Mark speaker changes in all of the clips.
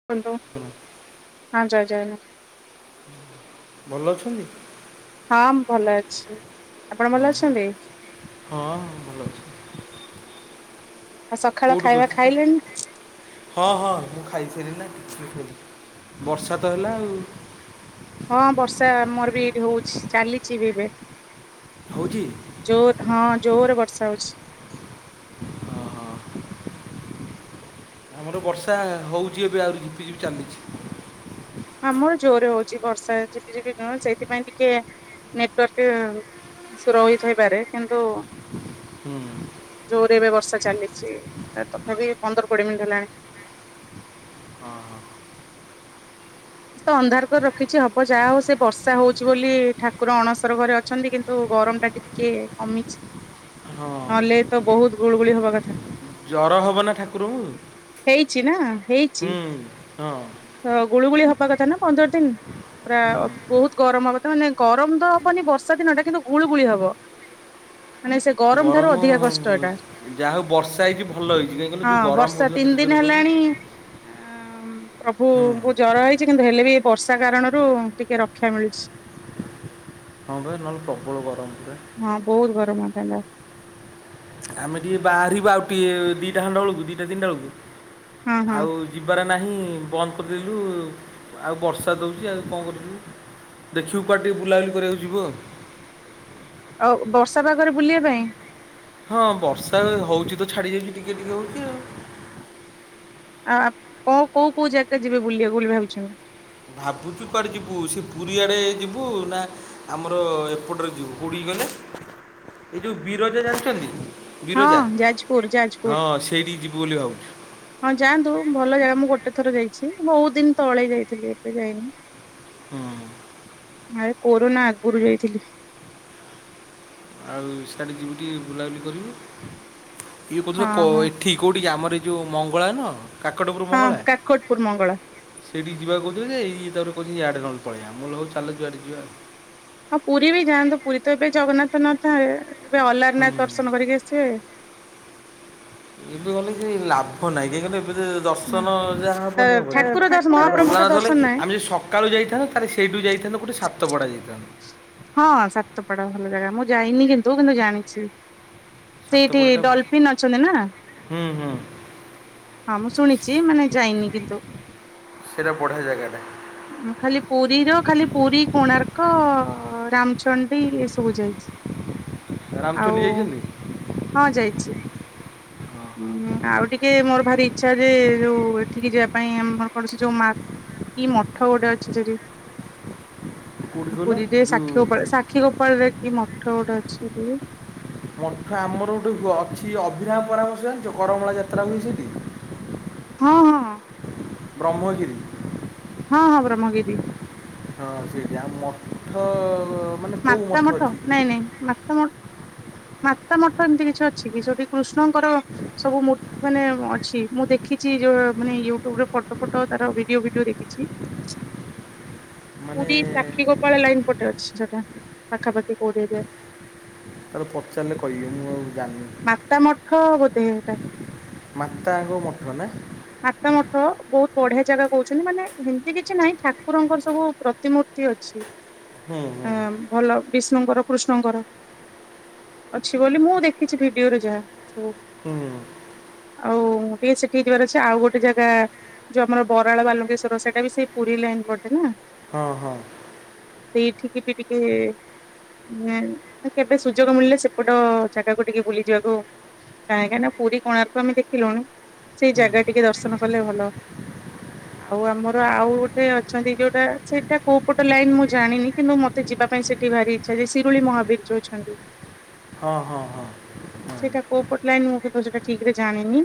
Speaker 1: [unintelligible]
Speaker 2: ହଁ।
Speaker 1: ହଁ ଜୟ ଜଗନ୍ନାଥ।
Speaker 2: [inaudible] ଭଲ ଅଛନ୍ତି?
Speaker 1: ହଁ। ମୁଁ ଭଲ ଅଛି। ଆପଣ
Speaker 2: [inaudible]
Speaker 1: ଭଲ
Speaker 2: ହଁ
Speaker 1: ଅଛନ୍ତି?
Speaker 2: ହଁ ଭଲ ଅଛି।
Speaker 1: ଆଉ
Speaker 2: [inaudible]
Speaker 1: ସକାଳ
Speaker 2: କଉଠୁ
Speaker 1: ଖାଇବା
Speaker 2: କହୁଚେ?
Speaker 1: ଖାଇଲେଣି?
Speaker 2: [inaudible] ହଁ ହଁ ମୁଁ ଖାଇସାରିଲି ନା [inaudible] ବର୍ଷା ତ ହେଲା ଆଉ।
Speaker 1: ହଁ ବର୍ଷା ଆମର ବି ଏଠି ହଉଛି। ଚାଲିଛି ବି ଏବେ
Speaker 2: ହଉଛି?
Speaker 1: ଜୋର ହଁ ଜୋରରେ ବର୍ଷା ହଉଛି।
Speaker 2: ହଁ ହଁ ଆମର ବର୍ଷା ହଉଛି ଏବେ ଆହୁରି ଝିପିଝିପି ଚାଲିଛି।
Speaker 1: ଆମର ଜୋରରେ ହଉଛି ବର୍ଷା ଝିପି ଝିପି ନୁହଁ ସେଇଥିପାଇଁ ଟିକେ [inaudible] ନେଟୱାର୍କ ସ୍ରୋ ହୋଇଥାଇ ପାରେ କିନ୍ତୁ
Speaker 2: [inaudible] ହୁଁ।
Speaker 1: ଜୋରେ ଏବେ ବର୍ଷା ଚାଲିଛି। ତଥାପି ପନ୍ଦର କୋଡିଏ ମିନିଟ୍ ହେଲାଣି।
Speaker 2: ହଁ ହଁ
Speaker 1: ତ ଅନ୍ଧାର କରି ରଖିଛି। ହବ ଯାହା ହଉ। ସେ ବର୍ଷା ହଉଛି ବୋଲି ଠାକୁର ଅଣସର ଘରେ ଅଛନ୍ତି, କିନ୍ତୁ ଗରମ ଟା ଟିକେ କେ କମିଚି
Speaker 2: ହଁ
Speaker 1: [inaudible] ନହେଲେ ତ ବହୁତ ଗୁଳଗୁଳି ହବା କଥା।
Speaker 2: ଜର ହବ ନା ଠାକୁରଙ୍କୁ
Speaker 1: ହେଇଛି ନା
Speaker 2: [inaudible]
Speaker 1: ହେଇଛି
Speaker 2: ହୁଁ, ହଁ।
Speaker 1: ତ ଗୁଳୁଗୁଳି ହବା କଥା ନା ପନ୍ଦର ଦିନ୍? ପ୍ରାୟ ବହୁତ୍ ଗରମ ହବ ତ। ଗରମ ତ ହବନି ବର୍ଷା ଦିନରେ କିନ୍ତୁ ଗୁଳୁ ଗୁଳି ହବ। ମାନେ ସେ ଠାରୁ
Speaker 2: ଗରମ
Speaker 1: ଅଧିକା କଷ୍ଟ ଏଟା
Speaker 2: [inaudible] ଯାହା ହଉ ବର୍ଷା ହେଇଛି ଭଲ ହେଇଛି। କାହିଁ କହିଲ ଯୋଉ ଗରମ
Speaker 1: ସେ
Speaker 2: ହେଉଥିଲା
Speaker 1: ତିନି
Speaker 2: କେତେ
Speaker 1: ଦିନ୍
Speaker 2: ଜୋର କହିଲୁ
Speaker 1: ହେଲାଣି [inaudible]
Speaker 2: ହୁଁ
Speaker 1: ପ୍ରଭୁଙ୍କୁ ଜର ହେଇ ଛି, କିନ୍ତୁ ହେଲେ ବି ବର୍ଷା କାରଣରୁ ଟିକେ ରକ୍ଷା ମିଳୁଛି।
Speaker 2: ହଁ ପା ନହେଲେ ପ୍ରବଳ ଗରମ ହୁଅନ୍ତା।
Speaker 1: ହଁ। ବହୁତ ଗରମ ହନ୍ତା ତା
Speaker 2: ଆମେ ଟିକେ ବାହାରିବା ଆଉ ଟିକେ ଦିଟା ଖଣ୍ଡ ବେଳକୁ। ଦିଟା ତିନିଟା ବେଳକୁ
Speaker 1: ହଁ ହଁ
Speaker 2: ଆଉ ଯିବାର ନାହିଁ ବନ୍ଦ କରିଦେଲୁ। [inaudible] ଆଉ ବର୍ଷା ତୋ ହଉଛି ଆଉ କଣ କରିବୁ। ଦେଖିବୁ କୁଆଡ଼େ ଟିକେ ବୁଲାବୁଲି କରିଆକୁ ଯିବୁ ଆଉ।
Speaker 1: ଆଉ ବର୍ଷା ପାଗରେ ବୁଲିବା ପାଇଁ
Speaker 2: ହଁ ବର୍ଷା ହଉଛି ତ ଛାଡି ଯାଇଛି ଟିକେ ଟିକେ ହଉଛି ଆଉ।
Speaker 1: ଆ କୋଉ କୋଉ କୋଉ ଜାଗା ଯିବେ ବୁଲିବାକୁ ବୋଲିଭାବିଛ?
Speaker 2: ଭାବୁଛୁ କୁଆଡେ ଯିବୁ। ସେ ପୁରୀଆଡେ ଯିବୁ ନା ଆମର ଏପଟରେ ଯିବୁ। କୋଉଠି କି କହିଲେ [inaudible] ଏଇ ଯୋଉ ବିରଜା ଜାଣିଛନ୍ତି? ବିରଜା,
Speaker 1: ହଁ ଯାଜପୁର
Speaker 2: [inaudible]
Speaker 1: ଯାଜପୁର।
Speaker 2: ହଁ ସେଇଠିକି ଯିବୁ ବୋଲି ଭାବୁଛୁ।
Speaker 1: ହଁ ଯାଆନ୍ତୁ ଭଲ ଜାଗା ମୁଁ ଗୋଟେ ଥର ଯାଇଛି। ବହୁତ ଦିନ୍ ତଳେ ଯାଇଥିଲି ଏବେ ଯାଇନି।
Speaker 2: [inaudible] ହଁ।
Speaker 1: ଘାଏ କୋରୋନା ଆଗରୁ ଯାଇଥିଲି।
Speaker 2: ଆଉ ସିଆଡେ ଯିବୁ ଟିକେ ବୁଲାବୁଲି କରିବୁ। ଇଏ କୋଉଦିନ
Speaker 1: ହଁ ହଁ
Speaker 2: କହିନି। ଠିକ୍ କୋଉଠି ଆମର ଏ ଯେଉ ମଙ୍ଗଳା ନୁହଁ, କାକଟପୁର
Speaker 1: ହଁ
Speaker 2: ମଙ୍ଗଳା
Speaker 1: କାକଟପୁର ମଙ୍ଗଳା।
Speaker 2: ସେଇଠିକି ଯିବା କହୁଥିଲୁ ଯେ। ଏଇ ତାର କହୁଚି ଇଆଡେ ନ ହେଲେ ପଳେଇଆ। ଭଲ ହଉ ଚାଲ ହଉ ଯିବା ଆଉ।
Speaker 1: ହଁ ପୁରୀ ବି ଯାଆନ୍ତୁ। ପୁରୀ ତ ଏବେ ଜଗନ୍ନାଥ ନଥାଏ। ଏବେ
Speaker 2: ହୁଁ
Speaker 1: ଅଲାରନାଥ ଦର୍ଶନ କରିକି ଆସିବେ।
Speaker 2: ଏବେ ଗଲେ କିଛି ଲାଭ ନାଇଁ। କାଇ କହିଲେ ଦର୍ଶନ ଯାହା
Speaker 1: ତ
Speaker 2: ହବନି ହବନି।
Speaker 1: ଠାକୁର ଦର୍ଶ
Speaker 2: ତାପରେ
Speaker 1: ମହାପ୍ରଭୁ ତ
Speaker 2: ଅଲାରନାଥ ଗଲେ
Speaker 1: ଦର୍ଶନ ନାହିଁ।
Speaker 2: ଆମେ ଯଦି ସକାଳୁ ଯାଇଥାଏ ଆରେ ସେଇଠୁ ଯାଇଥାନ୍ତୁ। ଗୋଟେ ସାତପଡ଼ା ଯାଇଥାନ୍ତୁ।
Speaker 1: ହଁ ସାତପଡା ଭଲ ଜାଗା। ମୁଁ ଯାଇନି କିନ୍ତୁ କିନ୍ତୁ ଜାଣିଚି। [inaudible] ସେଇଠି
Speaker 2: ସାତପଡ଼ାଟା ହୁଁ
Speaker 1: ଡଲଫିନ୍ ଅଛନ୍ତି ନା
Speaker 2: ହୁଁ
Speaker 1: [inaudible] ନାମ ଶୁଣିଚି ମାନେ ଯାଇନି କିନ୍ତୁ।
Speaker 2: ସେଇଟା ବଢ଼ିଆ ଜାଗାଟା
Speaker 1: ଖାଲି ପୁରୀର ଖାଲି ପୁରୀ କୋଣାର୍କ ରାମ ଚଣ୍ଡି ଏସବୁ ଯାଇଛି
Speaker 2: ରାମଚଣ୍ଡୀ
Speaker 1: ଆଉ
Speaker 2: ଯାଇଛନ୍ତି
Speaker 1: ହଁ ଯାଇଚି ଆଉ ଟିକେ ମୋର ଭାରି ଇଛା ଯେ ଯୋଉ ଏଠିକି ଯିବା ପାଇଁ ଆମର କୌଣସି ଯୋଉ ମକ କି ମଠ ଗୋଟେ ଅଛି ସେଠି।
Speaker 2: କୋଉଠି କହିଲ
Speaker 1: ପୁରୀରେ
Speaker 2: ଯୋଉ
Speaker 1: ସାକ୍ଷୀ ଗୋପାଳ ସାକ୍ଷୀ ଗୋପାଳ ରେ କି ମଠ ଗୋଟେ ଅଛି ସେଠି।
Speaker 2: ମଠ ଆମର ଗୋଟେ ଅଛି ଅଭିନାବ ପରାମର୍ଶ ଯୋ କରମଳା ଯାତ୍ରା ହୁଏ ସେଠି।
Speaker 1: ହଁ ହଁ।
Speaker 2: ବ୍ରହ୍ମଗିରି।
Speaker 1: ହଁ ହଁ ବ୍ରହ୍ମଗିରି।
Speaker 2: ହଁ ସେଇଠି ଆଉ ମଠ ମାନେ କେଉଁ
Speaker 1: ମାତା ମଠ
Speaker 2: ଅଛି
Speaker 1: ନାଇଁ ନାଇଁ ମାତା ମ ମାତା ମଠ ଏମିତି କିଛି ଅଛି କି ଯୋଉଠି କୃଷ୍ଣଙ୍କର ସବୁ ମୂ ମାନେ ଅଛି ମୁଁ ଦେଖିଛି ଯୋଉ ମାନେ ୟୁଟ୍ୟୁବରେ ଫଟୋ ଫଟୋ ତାର ଭିଡିଓ ଫିଡିଓ ଦେଖିଛି।
Speaker 2: ମାନେ
Speaker 1: ପୁରୀ ସାକ୍ଷୀ ଗୋପାଳ ଲାଇନ ପଟେ ଅଛି। ପାଖାପାଖି କୋଉଠେ ହେଲେ
Speaker 2: ତାେର ପଚାରିଲେ କହିବି ମୁଁ ଆଉ ଜାଣିନି।
Speaker 1: ମାତା ମଠ ବୋଧେ ହେଟା।
Speaker 2: ମାତାଙ୍କ ମଠ ନା?
Speaker 1: ମାତା ମଠ ବହୁତ ବଢିଆ ଜାଗା କହୁଛନ୍ତି ମାନେ ଏମିତି କିଛି ନାହିଁ ଠାକୁରଙ୍କର ସବୁ ପ୍ରତିମୂର୍ତ୍ତି ଅଛି।
Speaker 2: ହୁଁ ହୁଁ
Speaker 1: ଆଁ ଭଲ ବିଷ୍ଣୁଙ୍କର କୃଷ୍ଣଙ୍କର ଅଛି ବୋଲି ମୁଁ ଦେଖିଛି ଭିଡିଓରେ ଯାହା ସବୁ
Speaker 2: ହୁଁ
Speaker 1: ଆଉ ଟିକେ ସେଠିକି ଯିବାର ଅ ଆଉ ଗୋଟେ ଜାଗା ଯୋଉ ଆମର ବରାଳ ବାଲୁଙ୍କେଶ୍ଵର ସେଇଟା ବି ସେଇ ପୁରୀ ଲାଇନ ପଟେ ନା?
Speaker 2: ହଁ ହଁ
Speaker 1: ସେଇଠି ବି ଟିକେ ହଁ କେବେ ସୁଯୋଗ ମିଳିଲେ ସେପଟ ଜାଗାକୁ ଟିକେ ବୁଲିଯିବାକୁ କାହିଁକିନା ପୁରୀ କୋଣାର୍କୁ ଆମେ ଦେଖିଲୁଣି ସେଇ
Speaker 2: ହୁଁ
Speaker 1: ଜାଗା ଟିକେ ଦର୍ଶନ କଲେ ଭଲ। ଆଉ ଆମର ଆଉ ଗୋଟେ ଅଛନ୍ତି ଯୋଉଟା ସେଇଟା କୋଉ ପଟ ଲାଇନ ମୁଁ ଜାଣିନି କିନ୍ତୁ ମ ମତେ ଯିବା ପାଇଁ ସେଠି ଭାରି ଇଚ୍ଛା ଯେ ଶିରୁଳି ମହାବୀର ଯୋଉ ଅଛନ୍ତି।
Speaker 2: ହଁ ହଁ ହଁ ହୁଁ
Speaker 1: ସେଇଟା କୋଉ ପଟ ଲାଇନ ମୁଁ କିନ୍ତୁ ସେଟା ଠିକ ରେ ଜାଣିନି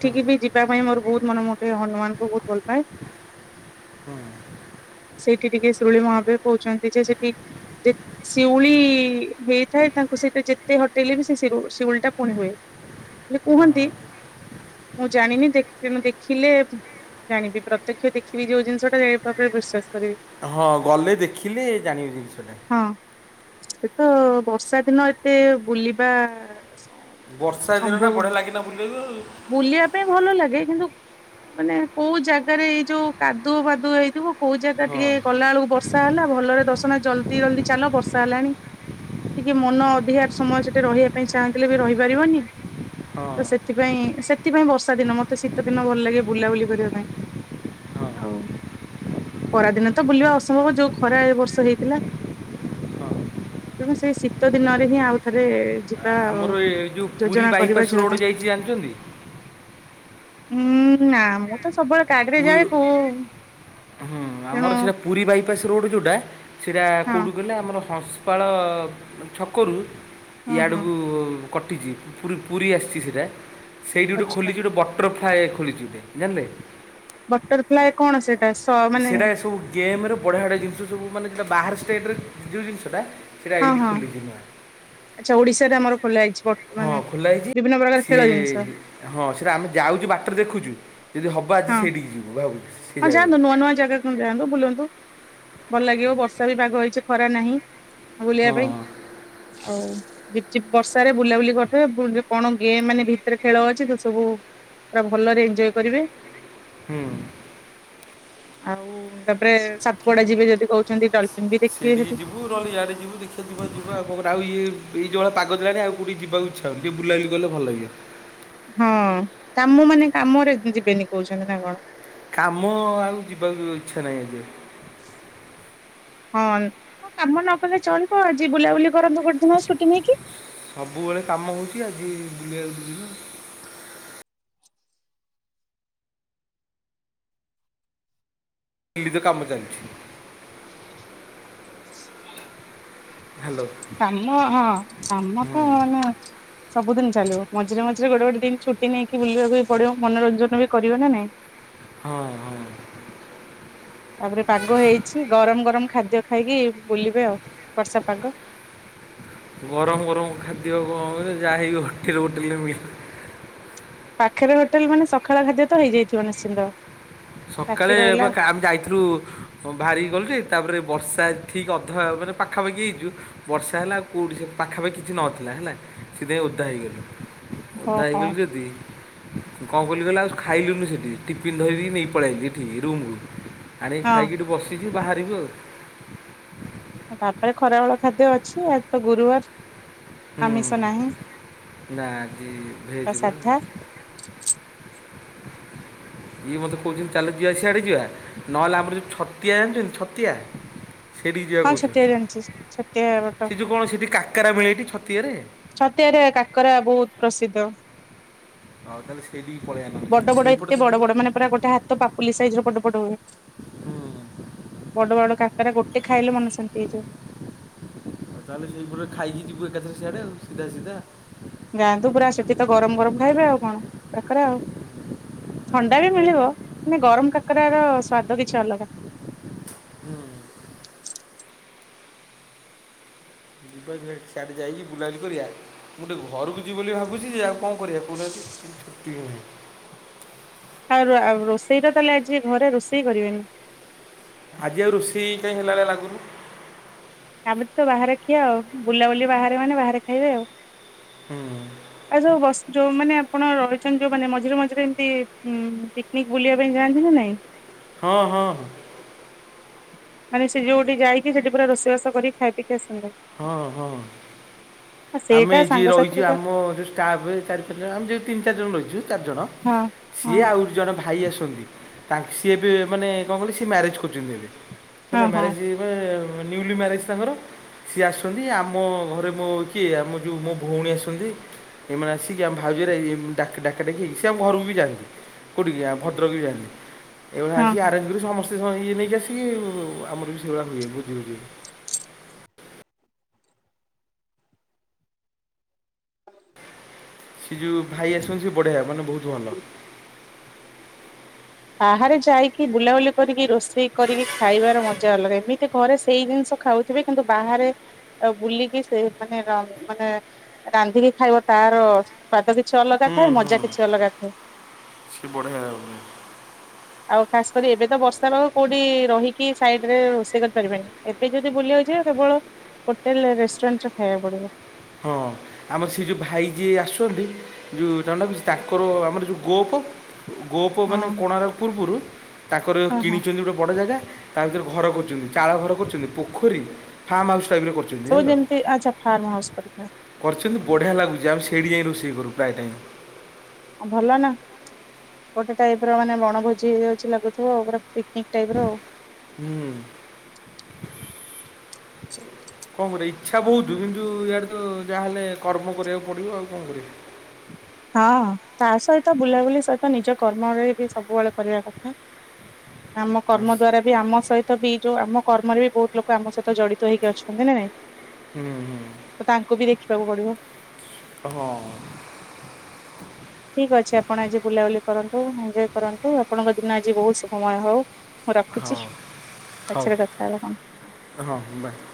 Speaker 2: ହୁଁ
Speaker 1: ବି ଯିବା ପାଇଁ ମୋର ବହୁତ ମନୋ ମୁଁ ଟିକେ ହନୁମାନଙ୍କୁ ବହୁତ ଭଲ ପାଏ।
Speaker 2: ହୁଁ
Speaker 1: ସେଇଠି ଟିକେ ସୁରୁଳି ମହାବୀର କହୁଛନ୍ତି ଯେ ସେଠି ଯେ ଶିଉଳି ହେଇଥାଏ ତାଙ୍କୁ ସେଇଟା ଯେତେ ହଟେଇଲେ ବି ସେ ଶିଉଳି ଟା ପୁଣି ହୁଏ। ହେଲେ
Speaker 2: ହଁ
Speaker 1: କୁହନ୍ତି।
Speaker 2: ହଁ
Speaker 1: ମୁଁ ଜାଣିନି ଦେ ତେଣୁ ଦେଖିଲେ ଜାଣିବି ପ୍ରତ୍ୟକ୍ଷ ଦେଖିବି ଯୋଉ ଜିନିଷ ଟା ଜାଣିବା ଉପରେ ବିଶ୍ୱାସ କରିବି।
Speaker 2: ହଁ ଗଲେ ଦେଖିଲେ ଜାଣିବେ ଜିନିଷଟା।
Speaker 1: ହଁ ଏ ତ ବର୍ଷା ଦିନ ଏତେ ବୁଲିବା
Speaker 2: ବର୍ଷା ଦିନ ଟା
Speaker 1: ସମ୍ଭବ
Speaker 2: ବଢିଆ
Speaker 1: ନୁହଁ
Speaker 2: ଲାଗେନା ବୁଲିବାକୁ ଆଉ।
Speaker 1: ବୁଲିବା ପାଇଁ ଭଲ ଲାଗେ କିନ୍ତୁ ମାନେ କୋଉ ଜାଗାରେ ଏଇ ଯୋଉ କାଦୁଅ ଫାଦୁଅ ହେଇଥିବ। କୋଉ ଜାଗା
Speaker 2: ଆଉ।
Speaker 1: ଟିକେ ଗଲା ବେଳକୁ ବର୍ଷା ହେଲା ଭଲରେ ଦର୍ଶନ ଜଲଦି ଜଲଦି ଚାଲ ବର୍ଷା ହେଲାଣି। ଟିକେ ମନ ଅଧିକାର ସମୟ ସେଠି ରହିବା ପାଇଁ ଚାହୁଁଥିଲେ ବି ରହିପାରିବନି।
Speaker 2: ହଁ
Speaker 1: ତ ସେଥିପାଇଁ ସେଥିପାଇଁ ବର୍ଷା ଦିନ ମତେ ଶୀତ ଦିନ ଭଲ ଲାଗେ ବୁଲାବୁଲି କରିବା
Speaker 2: ହଁ ହଁ
Speaker 1: ପାଇଁ। ହଉ। ଖରା ଦିନ ତ ବୁଲିବା ଅସମ୍ଭବ ଯୋଉ ଖରା ଏ ବର୍ଷ ହେଇଥିଲା।
Speaker 2: ହଁ।
Speaker 1: ତେଣୁ ସେଇ ଶୀତ ଦିନରେ ହିଁ ଆଉ ଥରେ ଯିବୁ।
Speaker 2: ଆମର ଏ ଯୋଉ ପୁରୀ ବାଇପାସ୍
Speaker 1: ପାଇଁ
Speaker 2: ରୋଡ଼ ଯାଇଚି ଜାଣିଛନ୍ତି?
Speaker 1: ଉଁ ନା ମୁଁ ତ ସବୁବେଳେ କାଡିରେ
Speaker 2: ପୁ
Speaker 1: ଯାଏ କଉ
Speaker 2: ହୁଁ ଆମର ସେଇଟା ପୁରୀ ବାଇପାସ୍ ରୋଡ଼ ଯୋଉଟା ସେଇଟା
Speaker 1: ହଁ
Speaker 2: କେଉଁଠୁ ଗଲେ ଆମର ହମ୍ପସ ଗୋପାଳ ଛକରୁ
Speaker 1: ହଁ ହଁ।
Speaker 2: ଇଆଡ଼କୁ କଟିଚି ପୁ ପୁରୀ ଆସିଛି ସେଇଟା ସେଇଠି ଗୋଟେ
Speaker 1: ଆଚ୍ଛା
Speaker 2: ଖୋଲିଚି ଗୋଟେ ବଟ ବଟରଫ୍ଲାଏ ଖୋଲିଛି ଗୋଟେ ଜାଣିଲେ?
Speaker 1: ବଟରଫ୍ଲାଏ କଣ ସେଠ ସ ମାନେ
Speaker 2: ସେଇଟା ଏ ସବୁ ଗେମ୍ର ବଢିଆ ବଢ଼ିଆ ଜିନିଷ ସବୁ ମାନେଟା ବାହାର ଷ୍ଟେଟ୍ର ଯେଉଁ ଜିନିଷଟା ଫେରେ
Speaker 1: ହଁ
Speaker 2: ଆଇଡି
Speaker 1: ହଁ
Speaker 2: ଖୋଲିଚି ଏଇନୁନା।
Speaker 1: ଆଚ୍ଛା ଓଡିଶାରେ ଆମର ଖୋଲା ହେଇଛି
Speaker 2: ହଁ
Speaker 1: ବର୍ତ୍ତମାନେ
Speaker 2: ଖୋଲା ହେଇଛି
Speaker 1: ବିଭିନ୍ନ ପ୍ରକାର ଖେଳ
Speaker 2: ସିଏ
Speaker 1: ଜିନିଷ।
Speaker 2: ହଁ ସେଇଟା ଆମେ ଯାଉଚୁ ବାଟରେ ଦେଖୁଚୁ ଯଦି ହବ ଆଜି
Speaker 1: ହଁ
Speaker 2: ସେଇଠିକି ଯିବୁ ଆଉ।
Speaker 1: ହଁ ଯାଆନ୍ତୁ ନୂଆ ନୂଆ ଜାଗାକୁ ଯାଆନ୍ତୁ ବୁଲନ୍ତୁ ଭଲ ଲାଗିବ ବର୍ଷା ବି ପାଗ ହେଇଚି ଖରା ନାହିଁ। ବୁଲିବା
Speaker 2: ହଁ
Speaker 1: ପାଇଁ ଆଉ ଝିପିଝିପ୍ ବର୍ଷାରେ ବୁଲାବୁଲି କରିଥିବେ ପୁଣି କଣ ଗେମ୍ ମାନେ ଭିତରେ ଖେଳ ଅଛି ତ ସବୁ ପୁରା ଭଲରେ ଏଞ୍ଜୟ କରିବେ।
Speaker 2: ହୁଁ।
Speaker 1: ଆଉ ତାପରେ ସାତପଡା ଯିବେ ଯଦି କହୁଛନ୍ତି ଡ଼
Speaker 2: ସେଇଠିକି ଯିବୁ ରହିଆଡ଼େ ଯିବୁ ଦେଖିବା ଯିବାକୁ ଯିବା ଆଉକଣ ଆଉ ଇଏ ଏଇ ଯୋଉ ଭଳିଆ ପାଗ ଦେଲାଣି ଆଉ କୋଉଠିକି ଯିବାକୁ ତାକୁଟିକିଏ ବୁଲାବୁଲି ଗଲେ ଭଲ ଲାଗିବ।
Speaker 1: ହଁ କାମ ମାନେ କାମରେ ଯିବେନି କହୁଛନ୍ତି ନା କଣ।
Speaker 2: କାମ ଆଉ ଯିବାକୁ ଇଚ୍ଛା ନାହିଁ ଆଜିଆଉ।
Speaker 1: [inaudible] ହଁ ହଁ କାମ ନ କଲେ ଚଳିବ ଆଜି ବୁଲାବୁଲି କରନ୍ତୁ ଗୋଟେ ଦିନ ସୁୁଟିଙ୍ଗି ନେଇକି।
Speaker 2: ସବୁବେଳେ କାମ ହଉଚି ଆଜି ବୁଲେଇବାକୁ ଯିବା। ଏଇଠି ତ କାମ ଚାଲିଚି। ହ୍ୟାଲୋ।
Speaker 1: କାମ ହଁ କାମ
Speaker 2: ହୁଁ
Speaker 1: ତ ମାନେ ସବୁଦିନି ଚାଲିବ ମଝିରେ ମଝିରେ ଗୋଟେ ଗୋଟେ ଦିନି ଛୁ ଛୁଟି ନେଇକି ବୁଲିବାକୁ ବି ପଡିବ ମନୋରଞ୍ଜନ ବି କରିବା ନା ନାଇଁ?
Speaker 2: ହଁ ହଁ।
Speaker 1: ତାପରେ ପାଗ ହେଇଛି ଗରମ ଗରମ ଖାଦ୍ୟ ଖାଇକି ବୁଲିବେ ଆଉ ବର୍ଷା ପାଗ।
Speaker 2: ଗରମ ଗରମ ଖାଦ୍ୟ କଣରେ ଯାହା ହେକି [unintelligible] ହୋଟେ ହୋଟେଲରେ ମିଳି
Speaker 1: ପାଖରେ ହୋଟେଲ ମାନେ ସକାଳ ଖାଦ୍ୟ ତ ହେଇଯାଇଥିବ ନିଶ୍ଚିନ୍ତ। ବାକି
Speaker 2: ସକାଳେ ବା
Speaker 1: ରହିଲା
Speaker 2: କାକୁ ଯାଇଥିଲୁ ବାହାରିକି ଗଲୁ ଯେ ତାପରେ ବର୍ଷା ଠିକ୍ ଅଧା ମାନେ ପାଖାପାଖି ହେଇଚୁ ବର୍ଷା ହେଲା କେଉଁଠିକି ପାଖାପାଖି କିଛି ନଥିଲା ହେଲା ସେଥିଇଁ ଓଦା ହେଇଗଲି। ଓଦା
Speaker 1: ଓହୋ
Speaker 2: ହେଇଗଲୁ ଯଦି କଣ କଲି ଗଲା ଆଉ ଖାଇଲୁନି ସେଠି ଟିଫିନି ଧରିକି ନେଇ ପଳେଇ ଆଇଲି ଏଠିକି ରୁମୁକୁ ଆଣିକି
Speaker 1: ହଁ।
Speaker 2: ଖାଇକି ଏଠି ବସିଚି ବାହାରିବୁ ଆଉ।
Speaker 1: ବାବା ରେ ଖରାବଳ ଖାଦ୍ୟ ଅଛି ଆଜି ତ ଗୁରୁବାର। ଆମିଷ ନାହିଁ
Speaker 2: ହୁଁ ନାଜି ଭେଜିବ
Speaker 1: ସାଧା
Speaker 2: [unintelligible] ଇଏ ମୋତେ କହୁଛନ୍ତି ଚାଲ ଯିବା ସିଆଡ଼େ ଯିବା ନହେଲେ ଆମର ଯେଉଁ ଛତିଆ ଜାଣିଛନ୍ତି ଛତିଆ? ସେଠି ଯିବା
Speaker 1: ହଁ ଛତିଆ
Speaker 2: କହୁଛନ୍ତି
Speaker 1: ଜାଣିଛି ଛତିଆ ବଟ
Speaker 2: ସେ ଯେଉ କଣ ସେଠି କାକରା ମିଳେଠି ଛତିଆରେ?
Speaker 1: ଛତିଆରେ କାକରା ବହୁତ ପ୍ରସିଦ୍ଧ।
Speaker 2: ହଁ ତାହେଲେ ସେଇଠକି ପଳେଇଆ
Speaker 1: ବଡ
Speaker 2: ନ
Speaker 1: ବଡ ଏତେ
Speaker 2: ସେଇପଟେ ତ
Speaker 1: ବଡ ବଡ
Speaker 2: ଯିବା
Speaker 1: ମାନେ ପୁରା
Speaker 2: ଆଉ।
Speaker 1: ଗୋଟେ ହାତ ପା ପୋଲିଲିସ ସାଇଜ ର ପଟ ପଟୁ
Speaker 2: ହୁଁ
Speaker 1: ବଡ ବଡ କାକରା ଗୋଟେ ଖାଇଲେ ମନ ଶାନ୍ତି ହେଇଯିବଏ।
Speaker 2: ଆଉ ତାହେଲେ ସେଇପରେ ଖାଇକି ଯିବୁ ଏକାଥରେ ସିଆଡ଼େଉ ସିଧା ସିଧା।
Speaker 1: ଯାଆନ୍ତୁ ପୁରା ସେଠି ତ ଗରମ ଗରମ ଖାଇବେ ଆଉ କଣ କାକରା
Speaker 2: ଆଉ
Speaker 1: ଥଣ୍ଡା ବି
Speaker 2: ବୁଲିବା
Speaker 1: ମିଳିବ।
Speaker 2: ଆଉ।
Speaker 1: ମାନେ ଗରମ କାକରରା ର ସ୍ଵାଦ କିଛି ଅଲଗା।
Speaker 2: ହୁଁ ଯିବା ସଆଠେ ଯାଇକି ବୁଲାବୁଲି କରିବା। ମୁଁ ଗୋଟେ ଘରକୁ ଯିବି ବୋଲି ଭାବୁଛି ଯେ ଆଉ କଣ କରିବା କହୁନାହାନ୍ତିତି।
Speaker 1: ଆଉ ରୋଷେଇ ଟା ତାହେଲେ ଆଜି ଘରେ ରୋଷେଇ କରିବେନି
Speaker 2: ଆଜି ଆଉ ରୋଷେଇ କାଇଁ ହେଲା ଭଳିଆ ଲ ଲାଗୁନି।
Speaker 1: କାଲି ତ ବାହାରେ ଖିଆ ଆଉ ବୁଲାବୁଲି ବାହାରେ ମାନେ ବାହାରେ ଖାଇବେ ଆଉ।
Speaker 2: ହୁଁ।
Speaker 1: ଆଉସବୁ ବସ ଯୋଉ ମାନେ ଆପଣ ରହିଛନ୍ତି ଯୋଉ ମାନେ ମଝିରେ ମଝିରେ ଏମିତି ଉଁ ପିକ୍ନିକ୍ ବୁଲିବା ପାଇଁ ଯାଆନ୍ତି ନା ନାଇଁ?
Speaker 2: ହଁ ହଁ।
Speaker 1: ମାନେ ସେ ଯୋଉଠି ଯାଇକି ସେଠି ପୁରା ରୋଷବାସ କରିକ ଖାଇ ପିକି ଆସନ୍ତି।
Speaker 2: ହଁ ହଁ।
Speaker 1: ଆ।
Speaker 2: ଆମେ ଏଠି ରହିଛୁ ଆମ ଯେଉଁ ଷ୍ଟାଫ୍ ଚାରି ପାଞ୍ଚ ଜଣ ଆମେ ଯେଉଁ ତିନି ଚାରି ଜଣ ରହିଛୁ ଚାରିଜଣ
Speaker 1: ହଁ।
Speaker 2: ସିଏ ଆଉରି ଜଣେ ଭାଇ ଆସନ୍ତି ତାଙ୍କ ସିଏ ବି ମାନେ କଣ କହିଲ ସିଏ ମ୍ୟାରେଜ୍ କରୁଛନ୍ତି ଏବେ।
Speaker 1: ହଁ
Speaker 2: ହେଲେ
Speaker 1: ହଁ
Speaker 2: ମ୍ୟାରେଜ ନ୍ୟୁଲି ମ୍ୟାରେଜ ତାଙ୍କର। ସିଏ ଆସୁଛନ୍ତି ଆମ ଘରେ ମୋ କିଏ ଆମ ଯୋଉ ମୋ ଭଉଣୀ ଆସନ୍ତି। ଏମାନେ ଆସିକି ଆମ ଭାଉଜରେ ଡାକ ଡାକ ଡାକି ହେଇକି ସିଏ ଆମ ଘରକୁ ବି ଯାଆନ୍ତି। କେଉଠିକି ଆ ଭଦ୍ରକ ବି ଯାଆନ୍ତି। ଏଇଭଳିଆ
Speaker 1: ହଁ
Speaker 2: ଆସିକି
Speaker 1: ହଁ
Speaker 2: ଆରେଞ୍ଜ କରି ସମସ୍ତେ ଇଏ ନେଇକି ଆସିକି ଆମର ବି ସେଇଭଳିଆ ହୁଏ ବୁଝିୁବୁଝି। ସେ ଯୋଉ ଭାଇ ଆସନ୍ତି ସେ ବଢିଆ ମାନେ ବହୁତ୍ ଭଲ।
Speaker 1: ବାହାରେ ଯାଇକି ବୁଲାବୁଲି କରିକି ରୋଷେଇ କରିକି ଖାଇବାର ମଜା ଅଲଗା ଏମିତି ଘରେ ସେଇ ଜିନିଷ। ଖାଉଥିବେ କିନ୍ତୁ ବାହାରେ। ଆ ବୁଲିକି ସେ ମାନେ ର ମାନେ ରାନ୍ଧିକି ଖାଇବ ତାର। ସ୍ଵାଦ କିଛି ଅଲଗା
Speaker 2: ହୁଁ
Speaker 1: ଥାଏ। ମଜା କିଛି ଅଲଗା ଥାଏ।
Speaker 2: ସେ ବଢ଼ିଆ [unintelligible]
Speaker 1: ଆଉ ଖାସ୍ କରି ଏବେ ତ ବର୍ଷା ପାଗ କୋଉଠି ରହିକି ସାଇଡରେ ରୋଷେଇ କରିପାରିବେନି। ଏବେ ଯଦି ବୁଲିିବାକୁ ଯିବା କେବଳ ହୋଟେଲ ରେ ରେଷ୍ଟୁରାଣ୍ଟ ରେ ଖାଇବାକୁ ପଡିବ।
Speaker 2: ହଁ ଆମର ସେ ଯେଉ ଭାଇ ଯିଏ ଆସୁଛନ୍ତି। ଯୋଉ [unintelligible] କିଛି ତାଙ୍କର ଆମର ଯୋଉ ଗୋଅପ। ଗୋଅପ
Speaker 1: ହଁ
Speaker 2: ମାନେ କୋଣାର୍କ ପୂର୍ବରୁ ତାଙ୍କର
Speaker 1: ହଁ ହଁ
Speaker 2: କିଣିଛନ୍ତି ଗୋଟେ ବଡ଼ ଜାଗା। ତା ଭିତରେ ଘର କରୁଛନ୍ତି ଚାଳ ଘର କରୁଛନ୍ତି ପୋଖରୀ ଫାର୍ମ ହାଉସ୍ ଟାଇପ୍ ର କରୁଛନ୍ତି।
Speaker 1: ସବୁ
Speaker 2: ଜାଣିଲ
Speaker 1: ଯେମିତି ଆଚ୍ଛା ଫାର୍ମ ହାଉସ୍ ପରିକା।
Speaker 2: କରିଛନ୍ତି ବଢ଼ିଆ ଲାଗୁଛି ଆମେ ସେଇଠି ଯାଇଁ ରୋଷେଇ କରୁ ପ୍ରାୟ ଟାଇମ୍।
Speaker 1: ଭଲ ନା ଗୋଟେ ଟାଇପ୍ ର ମାନେ ବଣଭୋଜି ହୋଇଯାଉଛି ଲାଗୁଥିବ ପୁରା ପିକ୍ ନେକ୍ ଟାଇପର ଆଉ
Speaker 2: ହୁଁ। କଣ କରିବି ଇଚ୍ଛା ବହୁତ କିନ୍ତୁ ଇଆଡେ ତ ଯାହାହେଲେ କର୍ମ କରିବାକୁ ପଡିବ ଆଉ କଣ କରିବି?
Speaker 1: ହଁ ତା ସହିତ ବୁଲାବୁଲି ସହିତ ନିଜ କର୍ମରେ ବି ସବୁବେଳେ କରିବା କଥା। ଆମ କର୍ମ ଦ୍ଵାରା ବି ଆମ ସହିତ ବି ଯୋଉ ଆମ କର୍ମରେ ବି ବହୁତ ଲୋକ ଆମ ସହିତ ଜଡିତ ହେଇକି ଅଛନ୍ତି ନା ନାଇଁ?
Speaker 2: ହୁଁ ହୁଁ।
Speaker 1: ତ ତାଙ୍କୁ ବି ଦେଖିବାକୁ ପଡିବ।
Speaker 2: ହଁ।
Speaker 1: ଠିକ୍ ଅଛି ଆପଣ ଆଜି ବୁଲାବୁଲି କରନ୍ତୁ ଏଞ୍ଜୟ୍ କରନ୍ତୁ ଆପଣଙ୍କ ଦିନ ଆଜି ବହୁତ ଶୁଭମୟ ହଉ। ହଉ ରଖୁଛି
Speaker 2: ହଁ ହଉ
Speaker 1: ପଛରେ କଥା ହେବା ପୁଣି।
Speaker 2: ହଁ ବାଏ।